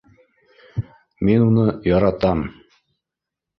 Мин уны... яратам.